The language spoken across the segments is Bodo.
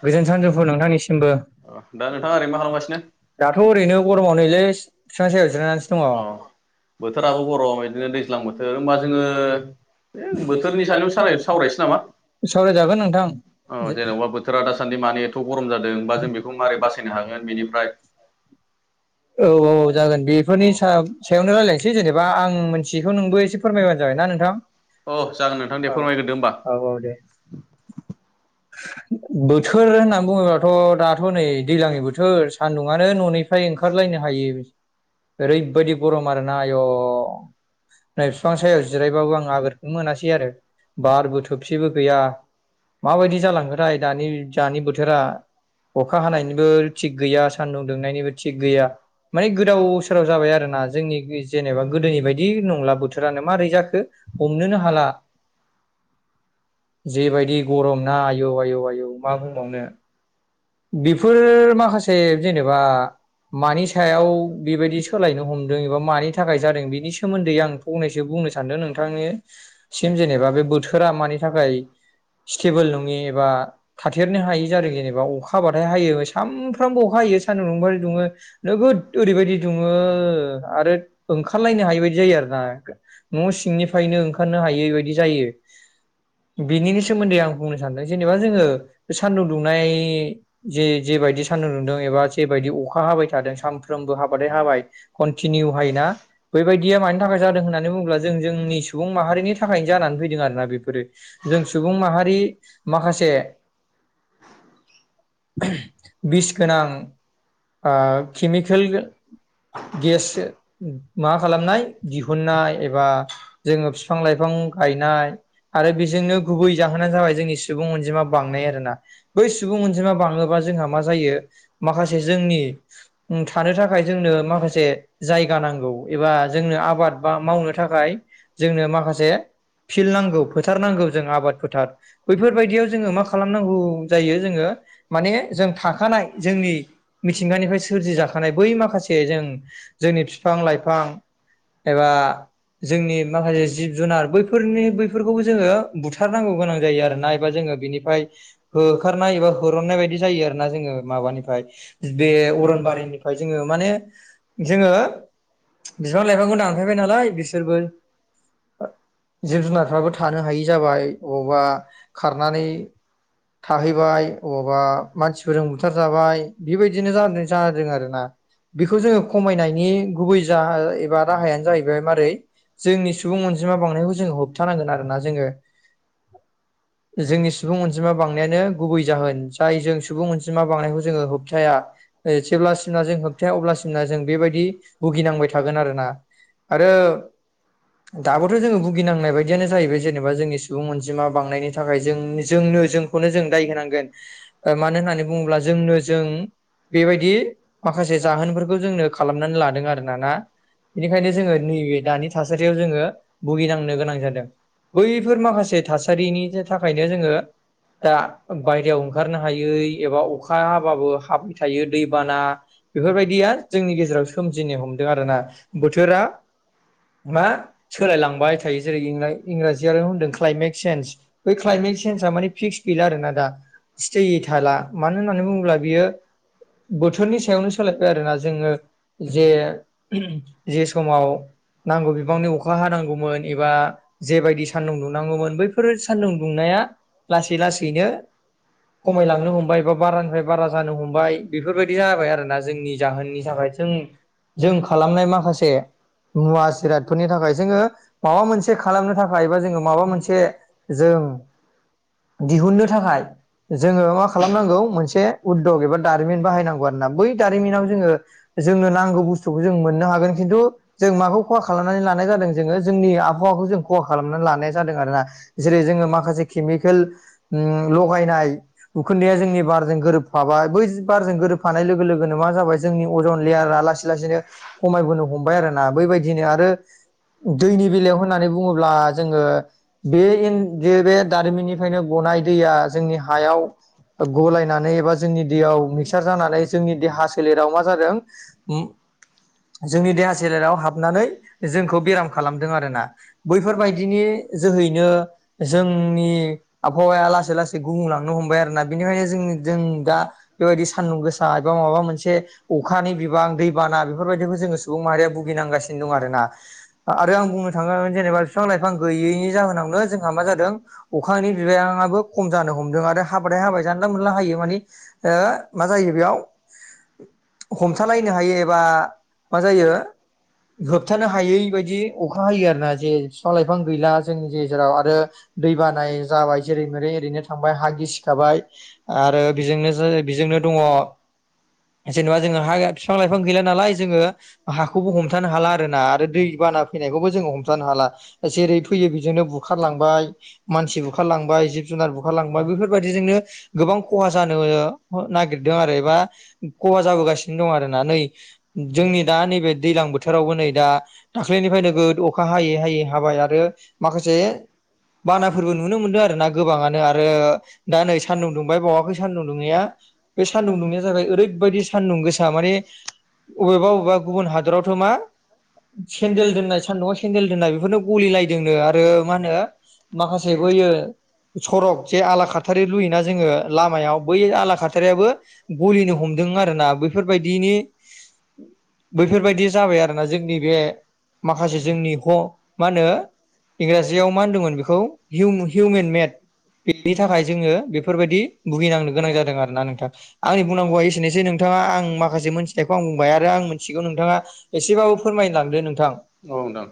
गोजोन सानजौफु नोंथांनिसिमबो। दाथ [unintelligible] ' ओरैनो गरमाव नलै बिफांना सायाव जिरनानैसो दंङो। बोथोराबो गरम बिदिनो [unintelligible] बोथोरनि सायावनो सावरायसै नामा। सावरायजागोन नोंथां। दा सानदि बोथोरा दासनि मानो एथ गरम जादों। दा बिखौ मारै बासायनो हागोन बेनिफ्राय [inaudible] औ औ औ जागोन बेफोरनि सायावनो रायजलायनोसै जेनेबा आं मोनथिखौ नोंबो एसे फोरमायबानो जाबाय ना। नोंथां औ [unintelligible] औ दे बोथोर होननानै बुंङोबाथ' दाथ' नै दैज्लांनि बोथोर सान्दुंङानो न'निफ्राय ओंखारलायनो हायि ओरैबायदि गरम आरोना आय' नै बिफां सायाव जिरायबाबो आं आगोरखौ मोनासै आरो बारबो थोबसेबो गैया माबायदि जालांखोथाय दानि दानि बोथोरा। अखा हानायनिबो थिग गैया सानदुं दुंनायनिबो थिग गैया माने गोदाव सोराव जाबाय आरो ना। जोंनि जेनेबा गोदोनि बायदि नंला बोथोरानो माबारै जाखो हमनोनो हाला। [inaudible] जेबायदि गरम ना आयौ आयौ आयौ मा बुंबावनो। बेफोर माखासे जेनेबा मानि सायाव बेबायदि सोलायनो हमदों एबा मानि थाखाय जादों बेनि सोमोन्दै आं फंनैसो बुं बुंनो सानदों नोंथांनिसिम जेनेबा बे बोथोरा मानि थाखाय स्टेबोल नङि एबा थाथेरनो हायि जादों जेनेबा अखा हाबाथाय हायो सानफ्रामबो अखा हायो सान्दुं दुंबाथाय दुङो नोगोद ओरैबायदि दुङो आरो ओंखारलायनो हायै बायदि जायो आरो ना न' सिंनिफ्रायनो ओंखारनो हायै बायदि जायो । [unintelligible] बिनि सोमोन्दै आं बुंनो सानदों जेनेबा जोङो बे सान्दुं दुंनाय जे जेबायदि सान्दुं दुंदों एबा जेबायदि अखा हाबाय थादों सानफ्रोमबो हाबाथाय हाबाय कन्टिनि निउ हायोना बेबायदिया मानि थाखाय जादों होननानै बुङोब्ला जों जोंनि सुबुं माहारिनि थाखायनो जानानै फैदों आरो । ना बेफोरो जों सुबुं माहारिनि माखासे बिस गोनां आ केमिकेल गेस मा खालामनाय दिहुननाय एबा जोङो बिफां लाइफां फं गायनाय आरो बेजोंनो गुबै जाहोनानो जाबाय जोंनि सुबुं अनजिमा बांनाय आरोना बै सुबुं अनजिमा बाङोबा जोंहा मा जायो माखासे जोंनि थानो थाखाय जोंनो माखासे जायगा नांगौ एबा जोंनो आबाद मावनो थाखाय जोंनो माखासे फिल नांगौ फोथा फोथारनांगौ जों आबाद फोथार बैफोरबायदियाव जोङो मा खालामनांगौ जायो जोङो माने जों थाखानाय जोंनि मिथिंगानिफ्राय सोरजिजाखानाय बै माखासे जों जोंनि बिफां लाइफां एबा जोंनि माखासे जिब जुनार बैफोरनि बैफोरखौ जोङो बुथार नांगौ गोनां जायो आरोना एबा जोङो बेनिफाय होखारनाय एबा हो होरननाय बायदि जायो आरो ना जोङो माबानिफाय बे अरनबारिनिफाय जोङो माने जोङो बिफां लाइफांखौ दानफायबाय नालाय बिसोरबो जिब जुनारफ्राबो थाब थानो हायि जाबाय अबावबा खारनानै थाहैबाय । बबावबा मानसिफोरजों बुथारजाबाय बेबायदिनो जादों जादों आरो ना । बेखौ जोङो खमायनायनि गुबै जा एबा राहायानो जाहैबाय मारै जोंनि सुबुं अनजिमा बांनायखौ जोङो होबथानांगोन आरोना । जोङो जोंनि सुबुं अनजिमा बांनायानो गुबै जाहोन जाय जों सुबुं अनजिमा बांनायखौ जोङो होबथाया जेब्लासिमना जों होबथाया अब्लासिमना जों बेबायदि भुगिनांबाय थागोन आरोना आरो दाबोथ' जोंङो भुगि गिनांनाय बायदियानो जाहैबाय जेनेबा जोंनि सुबुं अनजिमा बांनायनि थाखाय जों जोंनो जोंखौनो जों दाय होनांगोन मानो होननानै बुङोब्ला जोंनो जों बेबायदि माखासे जाहोनफोरखौ जोंनो खालामनानै लादों आरोना ना । बेनिखायनो जोङो नैबे दानि थासारियाव जोङो भुगिनांनो गोनां जादों । बैफोर माखासे थासारिनि थाखायनो जोङो दा बायहेरायाव ओंखारनो हायै एबा अखा हाबाबो हाबाय थायो दैबाना बेफोरबायदिया जोंनि गेजेराव सोमजिनो हमदों आरो ना बोथोरा मा सोलायलांबाय थायो जेरै इंराजियानो होनदों क्लाइमेट सेेन्ज बै क्लाइमेट सेेन्ज सा फिस्क गैला आरोना दा स्टेयै थाला मानो होननानै बुङोब्ला बियो बोथोरनि सायावनो सोलायबाय आरोना जोङो जे जे समाव नांगौ बिबांनि अखा हानांगौमोन एबा जेबायदि सान्दुं दुंनांगौमोन बैफोर सान्दुं दुंनाया लासै लासैनो खमायलांनो हमबाय बा बारानिफ्राय बारा जानो हमबाय बेफोरबायदि जाबाय आरोना जोंनि जाहोननि थाखाय जों जों खालामनाय माखासे मुवा जिरादफोरनि थाखाय जोङो माबा मोनसे खालामनो थाखाय बा जोङो माबा मोनसे जों दिहुननो थाखाय जोङो मा खालामनांगौ मोनसे उदग एबा दारिमिन बाहायनांगौ आरोना बै दारिमिनाव जोङो जोंनो नांगौ बुस्थुखौ जों मोननो हागोन खिन्थु जों माखौ खहा खालामनानै लानाय जादों जोङो जोंनि आबहावाखौ जों खहा खालामनानै लानाय जादों आरोना जेरै जोङो माखासे केमि उम लगायनाय उखुन्दैया जोंनि बारजों गोरोबफाबाय बै बारजों गोरोबफानाय लोगो लोगोनो मा जाबाय जोंनि अजन लेयारा लेयारा लासै लासैनो खमायबोनो हमबाय आरोना बेैबायदिनो आरो दैनि बेलायाव होननानै बुङोब्ला जोङो बे ओ बे दारिमिननि फ्रायनो गनाय दैया जोंनि हायाव गलायनानै एबा जोंनि दैयाव मिक्सार जानानै जोंनि देहा सोलेराव मा जादों उम जोंनि देहा सोलेराव हाबनानै जोंखौ बेराम खालामदों आरोना बैफोरबायदिनि जोहैनो जोंनि आबहावाया लासै लासै गुबुंलांनो हमबाय आरो ना बेनिखायनो जों जों दा बेबायदि सानदुं गोसा एबा माबा मोनसे अखानि बिबां दैबाना बेफोरबायदिखौ जोङो सुबुं माहारिया भुगिनांगासिनो दं आरो ना आरो आं बुंनो थाङोबा जेनेबा फिफां लाइफां गैयैनि जाहोनावनो जोंहा मा जादों अखानि बिबांआबो खम जानो हमदों आरो हाबाथाय हाबाय जानला मोनला हायो मानि ओ मा जायो बेयाव हमथालायनो हायै एबा मा जायो होबथानो हायै बायदि अखा हायो आरोना जे फिफां लाइफां गैला जोंनि गेजेराव आरो दै बानाय जाबाय जेरै मेरै ओरैनो थांबाय हा गिसिखाबाय आरो बेजोंनो ज बेजोंनो दङ जेन'बा जोङो हा बिफां लाइफां गैला नालाय जोङो हाखौबो हमथानो हाला आरोना आरो दै बाना फैनायखौबो जोङो हमथानो हाला जेरै फैयो बेजोंनो बुखारलांबाय मानसि बु छारलांबाय जिब जुनार बु बुखारलांबाय बेफोरबायदिजोंनो गोबां खहा जानो ओ नागिरदों आरो एबा खहा जाबो बोगासिनो दं आरोना नै जोंनि दा नैबे दैलां बोथोरावबो नै दा दाख्लिनिफ्राय नोगोद अखा हायै हायै हाबाय आरो माखासे बानाफोरबो नुनो मोनदों आरो ना गोबाङानो आरो दा नै सानदुं दुंबाय बावाखै सानदुं दुंनाया बे सानदुंनाय जाबाय ओरैबायदि सानदुं गोसा माने अबेबा अबेबा गुबुन हादरावथ' मा सेनदेल दोन्नाय सानदुंआ सेन्देल दोननाय बेफोरनो गलिलायदोंनो आरो मा होनो माखासे होयो सरग जे आला खाथारि लुयोना जोङो लामायाव बै आला खाथारियाबो गलिनो हमदों आरो ना बै बेफोरबायदिनि बैफोरबायदि जाबाय आरोना जोंनि बे माखासे जोंनि ह मा होनो इंराजियाव मा होनदोंमोन बेखौ हिउ-हिउमेन मेद बिनि थाखाय जोङो बेफोरबायदि भुगिनांनो गोनां जादों आरोना नोंथा आंनि बुंनांगौआ एसेनोसै नोंथाङा आं माखासे मोनथिनायखौ आं बुंबाय आरो आं मोनथिगौ नोंथाङा एसेबाबो फोरमायलांदो नोंथां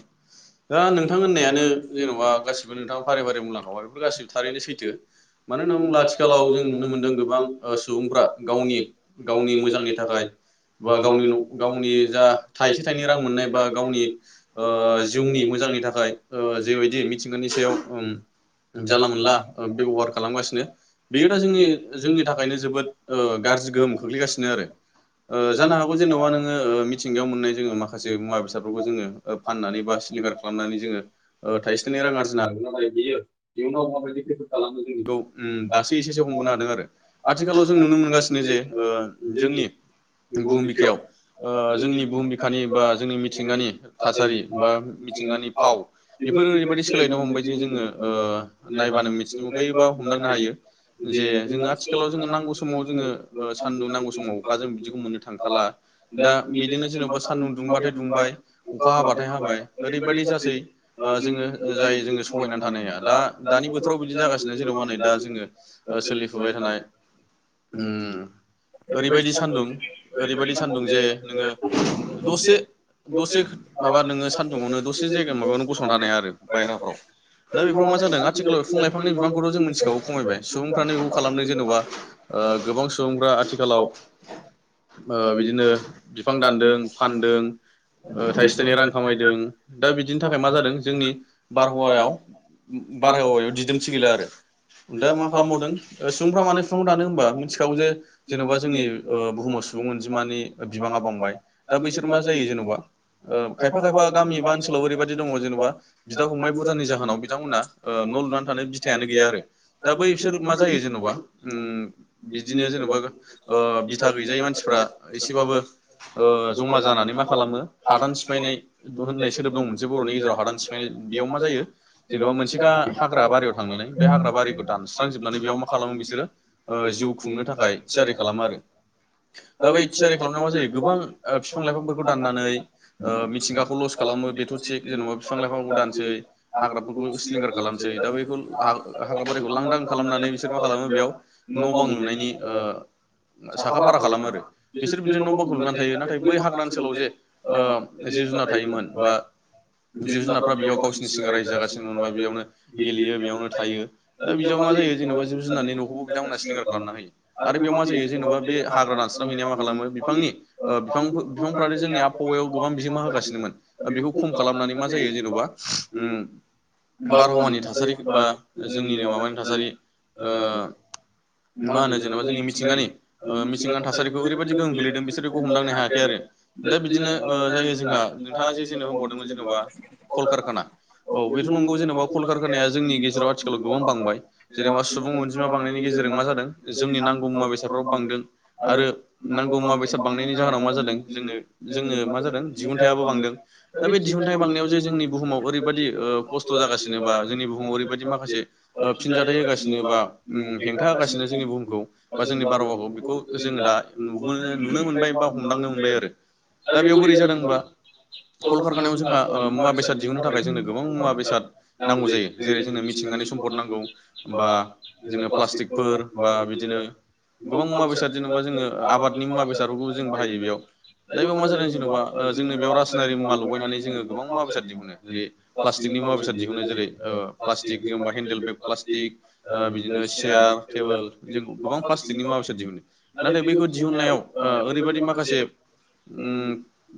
दा नोंथां होननायानो जेन'बा गासिबो नोंथाङा फारि फारि बुंलांखाबाय बेफोर गासिबो थारैनो सैथो सैथो मानो होनना बुंब्ला आथिखालाव जों नुनो मोनदों गोबां सुबुंफ्रा गावनि गावनि मोजांनि थाखाय बा गावनि गावनि जा थाइसे थाइनै रां मोननाय बा गावनि जिउनि ओ मोजां नि थाखाय जेबायदि मिथिंगानि सायाव उम जानला मोनला बेब'हार खालामगासिनो बेयो जोंनि जोंनि थाखायनो जोबोद ओ गाज्रि गोहोम गोग्लैगासिनो आरो ओ जानो हागौ जेन'बा नोङो मिथिंगायाव मोननाय जोङो माखासे मुवा बेसादफोरखौबो जोङो फाननानै बा खालामनानै जोङो थायसेनै रां आरजिनो हागोन नाथाय बियो इयुनाव माबायदि खैफोद खालामो जों बेखौ [unintelligible] नि बुहुम बिखायाव ओ जोंनि बुहुम बिखानि बा जोंनि मिथिंगानि थासारि बा मिथिंगानि फाव बेफोर ओरैबायदि सोलायनो हमबाय जे जोङो ओ नायबानो मिथि खायोबा हमदांनो हायो जे जोंङो आथिखालाव जोङो नांगौ समाव जोङो ओ सानदुं नांगौ समाव अखा जों बिदिखौ मोननो थांखाला दा बिदिनो जेन'बा सानदुं दुंबाथाय दुंबाय अखा हाबाथाय हाबाय ओरैबादि जासै आ जोङो जाय जोङो सहायनानै थानो हाया। दा दानि बोथोराव बिदिनो जागासिनो जेन'बा नै दा जोङो सोलिफुबाय थानाय ओम ओरैबायदि सान्दुं ओरैबायदि सान्दुं जे नोङो दसे दसे माबा नोङो सान्दुङावनो दसे जायगायाव माबायावनो गसंना थानो हाया आरो बायह्राफ्राव दा बेफोराव मा जादों आथिखालाव बिफां लाइफांनि बिफांखौथ' जों मिथिखागौ खमायबाय सुबुंफ्रानो बे खालामदों जेन'बा गोबां सुबुंफ्रा आथिखालाव ओ बिदिनो बिफां दानदों फानदों ओ थाइसे थाइनै रां खामायदों दा बिदिनि थाखाय मा जादों जोंनि बारहावायाव बारहावायाव दिदोम थि गैला आरो। दा मा खालामबावदों सुबुंफ्रा मानो बिाव दानो होनबा मिथिखागौ जे जेन'बा जोंनि ओ बुहुमाव सुबुं अनजिमानि बिबाङा बांबाय दा बैसोर मा जायो जेन'बा ओ खायफा खायफा गामि बा ओनसोलाव ओरैबायदि दङ जेनेबा बिदा फंबाय भुरजानि जाहोनाव बिथांमोना न' लुनान थानो बिथायानो गैया आरो दा बै बिसोर मा जायो जेन'बा ओम बिदिनो जेन'बा ओ बिथा गैजायो मानसिफ्रा एसेबाबो ओ जमा जानानै मा खालामो हादान सिफायनाय होननाय सोदोब दं मोनसे बर'नि गेजेराव हादान सिफायनाय बेयाव मा जायो जेन'बा मोनसे गा हा ग्रा बारियाव थांनानै बे हाग्रा बारिखौ दानस्रांजोबनानै बेयाव मा खालामो बिसोरो जिउ खुंनो थाखाय थियारि खालामा आरो। दा बै थियारि खालामनायाव मा जायो गोबां बिफां लाइफांफोरखौ दाननानै मिथिंगाखौ लस खा खालामो बेथ' थिख जेनबा फिफां लायफांखौ दानसै हाग्राफोरखौ सिलिंखार खालाम सै दा बैखौ हाग्रा बारिखौ लांदां खालामनानै बिसोर मा खालामो बेयाव न' बां लुनायनि ओ [inaudible] साखा फारा खालामो आरो बिसोर बिदिनो न' बांखौ लुनानै थायो नाथाय बै हाग्रा ओनसोलाव जे ओ जिब जुन आ थायोमोन बा जिब जुनारफ्रा बेयाव गावसिोरनि सिगां रायजो जागासिनोमोन बा बेयावनो गेलेयो बेयावनो थायो दा बिदियाव मा जायो जेन'बा जिब जुनारनानै न'खौबो बिथांमोना सिलिंगार खालामना होयो। आरो बेयाव मा जायो जेनेबा बे हाग्रा दानस्रांहैनाया मा खालामो बिफांनि ओ बिफांफ्रानो बिफां जोंनि आबहावायाव गोबां बिहोमा होगासिनोमोन बेखौ खम खालामनानै मा जायो जेन'बा ओम [unintelligible] थासारि बा जोंनि आबहावानि थासारि मा होनो जेनबा जों [unintelligible] ओ मिथिंगा थासारिखौ ओरैबायदि गोहोम खोलैदों बिसोर बेखौ हमदांनो हायाखै आरो। ओमफ्राय बिदिनो ओ जाय जायफ्रा हमथानानै जेनबा [unintelligible] औ बेथ' नोङो जेनबा [unintelligible] [unintelligible] गोबां बांबाय जेनबा सुबुं अन्जिमा बांनायनि गेजेरजों मा जादों जोंनि नां मुवा बेसादफ्राबो बांदों आरो नांगौ मुवा बेसाद बांनायनि जाहोनाव मा जादों जोङो जोङो मा जा दिहुनथायाबो बांदों दा बे दिहुनथाय बांनायाव [unintelligible] [unintelligible] जोंनि [unintelligible] आरो दा बे बोरै जादों होमबा [unintelligible] नांगौ जायो। जेरै जों मिथिंगानि समपर्ट नांगौ बा बिनो प्लास्किटफोर बा बिदिनो [unintelligible] दा बेयो मा जादों जेनबा [unintelligible] [unintelligible] गोबां पटिकनि मुवा बेसाद दिहुनो नाथाय बेखौ दिहुननायाव ओ ओरैबायदि माखासे ओम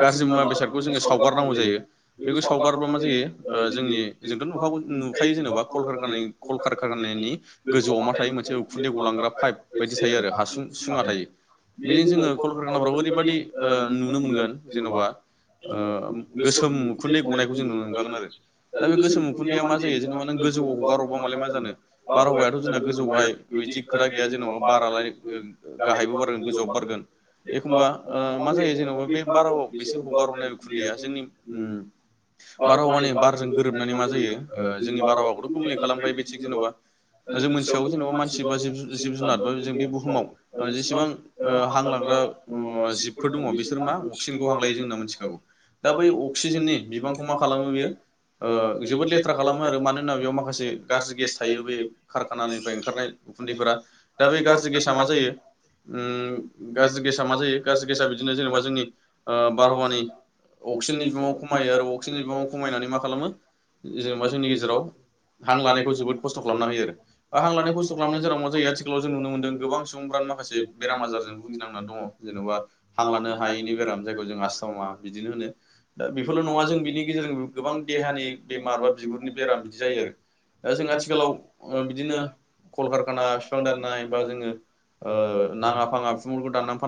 गाज्रि मुवा बेसादखौ जोङो सावगारनांगौ जायो बेखौ सावगारबा मा जायो ओ जोंनि जोंथ' नुखा नुखायो जेनेबा कल कारखानानि कल कारखानानिनि गोजौआव माथाय मोनसे उखुन्दै गलां ग्रा पाइप बायदि थायो आरो हासुं सुङा थायो। बेजों जोङो कलकारखानाफ्राव ओरैबायदि नुनो मोनगोन जेन'बा ओ गोसोम उखुन्दै गनायखौ जों नुनो मोनखागोन आरो। दा बे गोसोम उखुदैआ मा जायो जेनेबानों गोजौआव हगारहरबा मालाय मा जानो। बारहावायाथ' जोंना गोजौआवहाय बिदि खोथा गैया जेन'बा बारालाय गाहायबो बारगोन गोजौवबो बारगोन। एखमबा ओ मा जायो जेन'बा बे बाराव बिसोर हगार हरनाय उखुन्दैया जोंनि [unintelligible] गोरोबनानै मा जायो ओ जोंनि बारहावाखौथ' गुबुंले खालामखायो बे थिग जेन'बा जों मोनथिखागौ जेन'बा मानसि बा जिब जु जिब जुनार बा जे बे बुहुमाव ओ जेसेबां ओ हां लाग्रा जिबफोर दङ बिसोर मा अक्सिजेनखौ हां ला यो होनना मिथिखागौ। दा बै अक्सिजेननि बिबांखौ मा खालामो बेयो ओ जोबोद लेथ्रा खालामो आरो मानोना बेयाव माखासे गाज्रि गेस थायो बे कारखानानिफ्राय ओंखारनाय उखुन्दैफोरा। दा बेै गाज्रि गेसा मा जायो उम गाज्रि गेसा मा जायो गाज्रि गेसा बिदिनो जेनेबा जोंनि ओ बारहावानि अक्सिजेननि बिबांखौ खमायो आरो अक्सिजेननि बिबाखौ खमायनानै मा खालामो जेन'बा जोंनि गेजेराव हां लानायखौ जोबोद खस्थ' खालामना होयो आरो बा हां लानाय खस्थ' खालामनाय जाहोनाव मा जायो आथिखालाव जों नुनो मोनदों गोबां सुबुंफ्रानो माखासे बेराम आजारजों भुगिनांनानै दङ। जेन'बा हांलानो हायैनि बेराम। जायखौ जों आस्थ'मा बिदिनो होनो। दा बेफोरल' नङा जों बिनि गेजेरजों गोबां देहा नि बेमार बा बिगुरनि बेराम बिदि जायो आरो। दा जों आथिखालाव बिदिनो कलकारखाना बिफां दाननाय बा जोङो ओ नाङा फाङा फिफांफोरखौ दानना फान